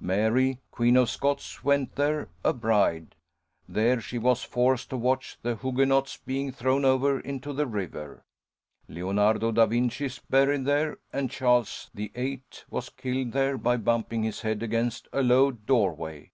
Mary, Queen of Scots, went there a bride. There she was forced to watch the Hugenots being thrown over into the river. Leonardo da Vinci is buried there, and Charles VIII. was killed there by bumping his head against a low doorway."